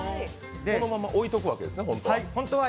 このまま置いておくわけですね、ホントは。